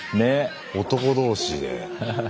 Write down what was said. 男同士で。